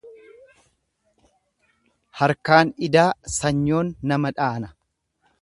Harkaan idaa sanyoon nama dhaana.